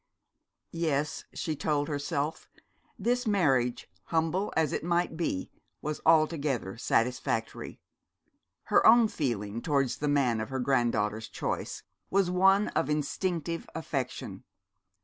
Yes, she told herself, this marriage, humble as it might be, was altogether satisfactory. Her own feeling towards the man of her granddaughter's choice was one of instinctive affection.